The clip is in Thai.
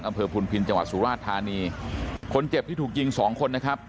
อำเภอภุนภินฯจังหวัดสุราชธานีคนเจ็บที่ถูกยิง๒คนนะครับ